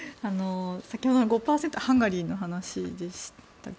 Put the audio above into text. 先ほどのハンガリーの話でしたっけ。